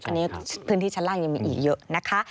อันนี้พื้นที่ชั้นล่างยังมีอีกเยอะนะคะ